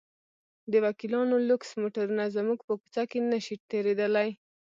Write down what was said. د وکیلانو لوکس موټرونه زموږ په کوڅه کې نه شي تېرېدلی.